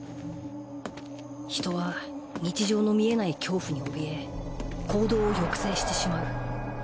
人は日常の見えない恐怖におびえ行動を抑制してしまう。